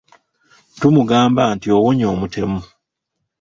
Tumugamba nti, owonye omutemu!